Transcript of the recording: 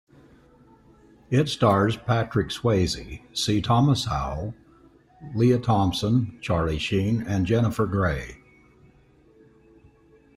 It stars Patrick Swayze, C. Thomas Howell, Lea Thompson, Charlie Sheen, and Jennifer Grey.